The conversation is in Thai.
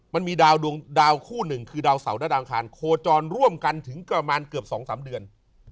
มันมีดาวดวงดาวคู่หนึ่งคือดาวเสาร์และดาวอังคารโคจรร่วมกันถึงประมาณเกือบ๒๓เดือน